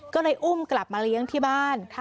ก็เลยอุ้มกลับมาเลี้ยงที่บ้าน